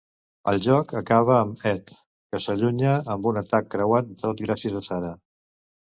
El joc acaba amb Ed, que s'allunya amb un atac creuat, tot gràcies a Sara.